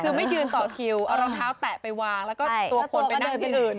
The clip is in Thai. คือไม่ยืนต่อคิวเอารองเท้าแตะไปวางแล้วก็ตัวคนไปนั่งที่อื่น